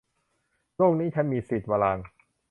โลกนี้ฉันมีสิทธิ์ - วรางค์